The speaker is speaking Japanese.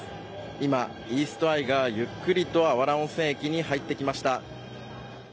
今、イーストアイがゆっくりと芦原温泉駅に入ってきました。